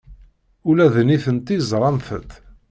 Ula d nitenti ẓrant-t.